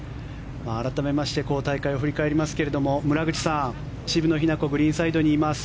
改めまして大会を振り返りますが村口さん、渋野日向子グリーンサイドにいます。